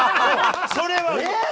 それは。